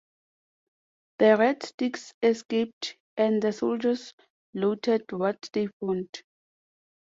The Red Sticks escaped and the soldiers looted what they found.